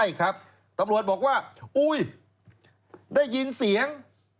ใช่ครับตำรวจบอกว่าอุ้ยได้ยินเสียง